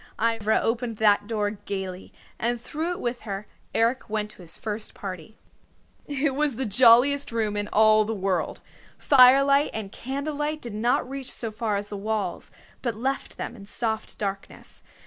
Ivra opened that door gayly, and through it with her, Eric went to his first party. It was the jolliest room in all the world. The firelight and candlelight did not reach so far as the walls, but left them in soft darkness.